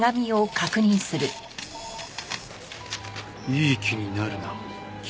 「いい気になるな偽善者」。